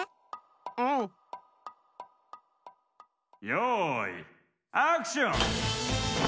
よいアクション！